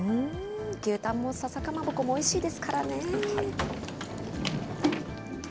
牛タンもささかまぼこもおいしいですからね。